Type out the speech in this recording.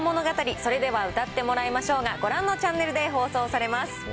それでは歌ってもらいまＳＨＯＷ！がご覧のチャンネルで放送されます。